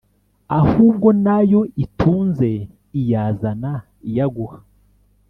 ahubwo n’ayo itunze iyazana iyaguha